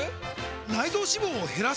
内臓脂肪を減らす！？